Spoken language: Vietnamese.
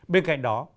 bên cạnh đó